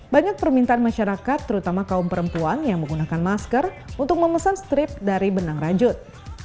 banyak permintaan masyarakat terutama kaum perempuan yang menggunakan masker untuk memesan strip dari benang rajut